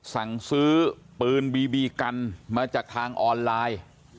สั่งซื้อปืนบีบีกันมาจากทางออนไลน์